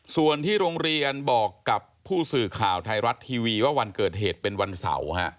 ส่วนที่โรงเรียนบอกกับผู้สื่อข่าวไทยรัฐทีวีว่าวันเกิดเหตุเป็นวันเสาร์